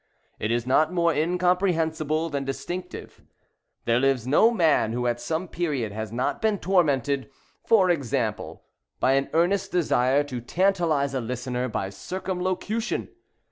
It is not more incomprehensible than distinctive. There lives no man who at some period has not been tormented, for example, by an earnest desire to tantalize a listener by circumlocution.